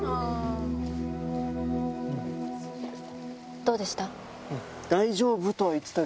どうでした？